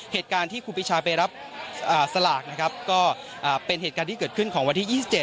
เหตุการณ์ที่ครูปีชาไปรับสลากนะครับก็เป็นเหตุการณ์ที่เกิดขึ้นของวันที่๒๗